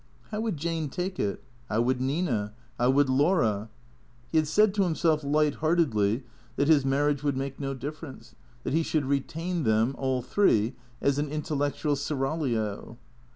How would Jane take it? How would Nina? How would Laura? He had said to himself, light heartedly, that his mar riage would make no difference, that he should retain them, all three, as an intellectual seraglio.